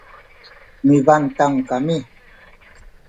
mipantang kami